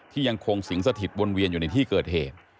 ยังคงสิงสถิตวนเวียนอยู่ในที่เกิดเหตุ